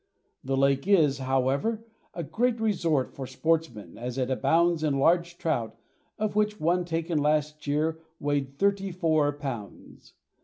The lake is, however, a great resort for sportsmen as it abounds in large trout, of which one taken last year weighed thirty four pounds.